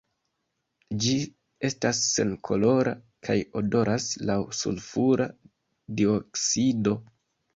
Ĝi estas senkolora kaj odoras laŭ sulfura dioksido.